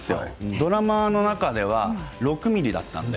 ドラマの中では６ｍｍだったので。